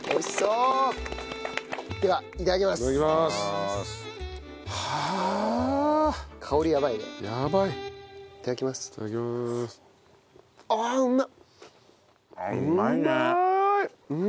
うまいね。